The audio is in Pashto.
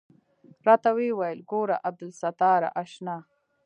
راته ويې ويل ګوره عبدالستاره اشنا.